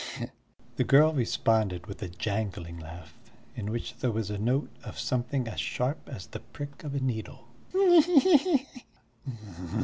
"He he he!" the girl responded with a jangling laugh, in which there was a note of something as sharp as the prick of a needle. "He he he!"